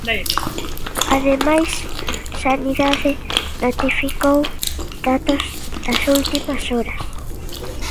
Ademais, Sanidade notificou datos das últimas horas.